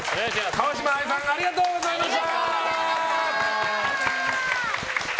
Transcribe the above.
川嶋あいさんありがとうございました！